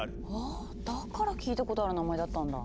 あぁだから聞いたことある名前だったんだ。